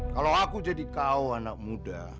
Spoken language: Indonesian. kalau aku jadi kau anak muda